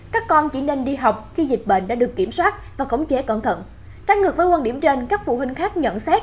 các con chỉ nên đi học khi dịch bệnh đã được kiểm soát và khống chế cẩn thận